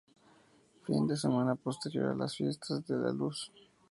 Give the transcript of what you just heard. Fin de semana posterior a las fiestas de la Luz.